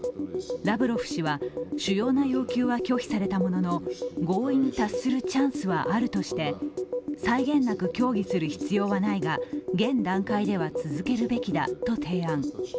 ラブロフ氏は主要な要求は拒否したものの合意に達するチャンスはあるとして際限なく協議する必要はないが、現段階では続けるべきだと提案。